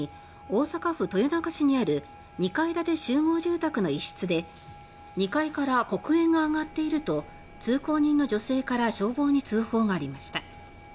大阪府豊中市にある２階建て集合住宅の一室で「２階から黒煙が上がっている」と通行人の女性から消防に通報がありました。